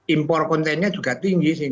impor kontennya juga tinggi